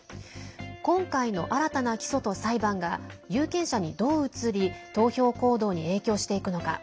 今回の新たな起訴と裁判が有権者に、どう映り投票行動に影響していくのか。